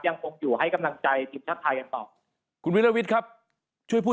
ยังคงอยู่ให้กำลังใจถืมชัดถ่ายแปบคุณวิยวิทย์ครับช่วยพูด